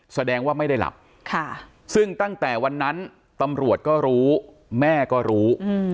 แสดงว่าไม่ได้หลับซึ่งตั้งแต่วันนั้นตำรวจก็รู้แม่ก็รู้